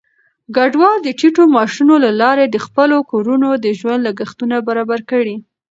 کډوال د ټيټو معاشونو له لارې د خپلو کورونو د ژوند لګښتونه برابر کړي.